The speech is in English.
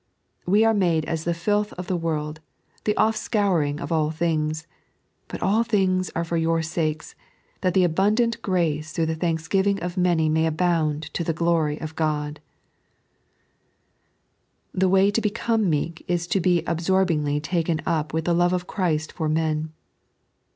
We are made as the filth of the world, the ofi&couring of all things ; but all things are for your sakes, that the abundant grace through the thanksgiving of many may abound to the glory of Ctod,'' The way to become meek is to be absorbingly taken up with the love of Christ for men.